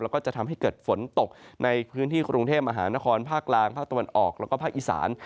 แล้วก็จะทำให้เกิดฝนตกในพื้นที่กรุงเทพมหานครภาคกลางภาคตะวันออกแล้วก็ภาคอีสาน